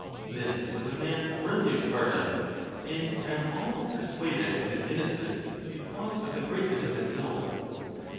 This was a man worthy of Sparta. And I am almost persuaded of his innocence because of the greatness of his soul.